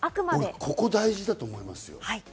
ここ大事だと思いますよ。